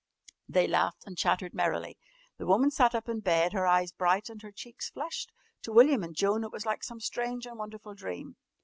They laughed and chattered merrily. The woman sat up in bed, her eyes bright and her cheeks flushed. To William and Joan it was like some strange and wonderful dream.